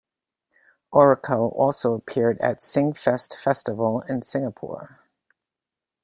Orrico also appeared at Singfest Festival in Singapore.